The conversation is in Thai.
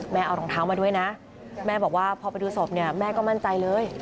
เอารองเท้ามาด้วยนะแม่บอกว่าพอไปดูศพเนี่ยแม่ก็มั่นใจเลย